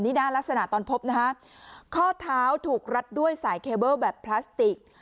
นี่หน้าลักษณะตอนพบนะฮะข้อเท้าถูกรัดด้วยสายเคเบิ้ลแบบพลาสติก